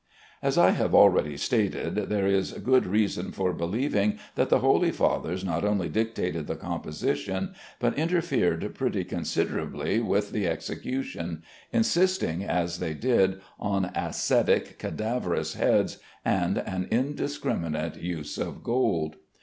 As I have already stated, there is good reason for believing that the holy fathers not only dictated the composition, but interfered pretty considerably with the execution, insisting as they did on ascetic, cadaverous heads and an indiscriminate use of gold.